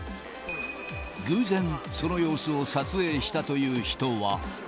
偶然、その様子を撮影したという人は。